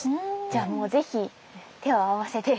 じゃあもう是非手を合わせて。